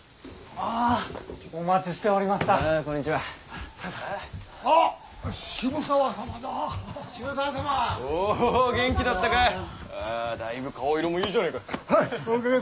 あぁだいぶ顔色もいいじゃねえか。